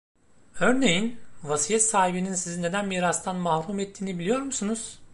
Örneğin, vasiyet sahibinin sizi neden mirastan mahrum ettiğini biliyor musunuz?